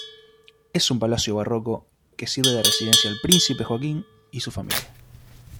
Es un palacio barroco que sirve de residencia al príncipe Joaquín y su familia.